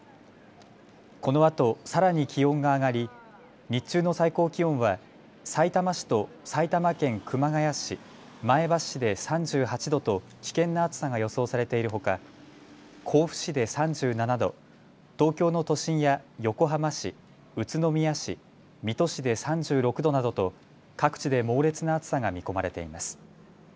このあとさらに気温が上がり、日中の最高気温はさいたま市と埼玉県熊谷市、前橋市で３８度と危険な暑さが予想されているほか、甲府市で３７度、東京の都心や横浜市、宇都宮市、水戸市で３６度などと各地で猛烈な暑さが見込まれています。